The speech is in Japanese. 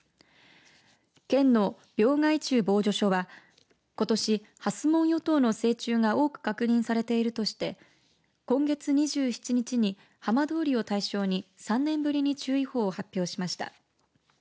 県の病害虫防除所はことしハスモンヨトウの成虫が多く確認されているとして今月２７日に浜通りを対象に３年ぶりに注意報を発表しました。